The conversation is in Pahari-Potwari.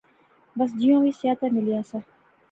بس جیا وی سا تہ میل ایہہ سا